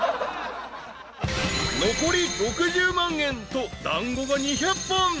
［残り６０万円と団子が２００本］